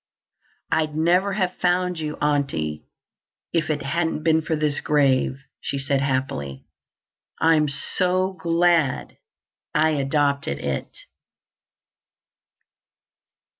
"I'd never have found you, Aunty, if it hadn't been for this grave," she said happily. "I'm so glad I adopted it."